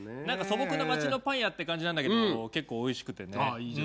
何か素朴な町のパン屋って感じなんだけど結構おいしくて。